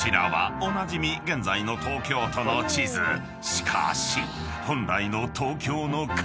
［しかし］